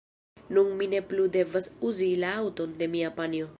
Nun mi ne plu devas uzi la aŭton de mia panjo.